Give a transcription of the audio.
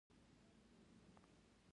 انار ولې ملي میوه ده؟